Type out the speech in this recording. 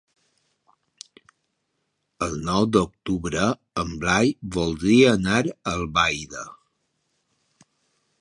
El nou d'octubre en Blai voldria anar a Albaida.